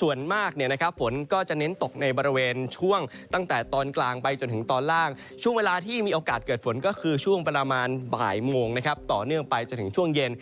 ส่วนมากฝนก็จะเน้นตกในบริเวณช่วงตั้งแต่ตอนกลางไปจนถึงตอนล่างช่วงเวลาที่มีโอกาสเกิดฝนก็คือช่วงประมาณบ่ายโมงต่อเนื่องไปจนถึงช่วงเย็น